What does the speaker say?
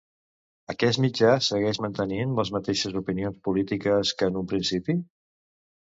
Aquest mitjà segueix mantenint les mateixes opinions polítiques que en un principi?